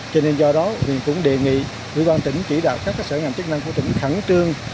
cho nên do đó huyện cũng đề nghị quỹ ban tỉnh chỉ đạo các sở ngành chức năng của tỉnh khẳng trương